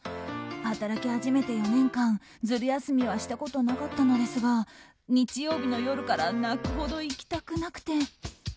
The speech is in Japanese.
働き始めて４年間、ズル休みはしたことなかったのですが日曜日の夜から泣くほど行きたくなくて。